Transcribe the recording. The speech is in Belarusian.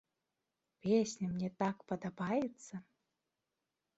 Песня мне так падабаецца!